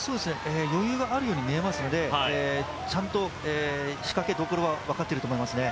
余裕があるように見えますので、ちゃんと仕掛けどころは分かっていると思いますね。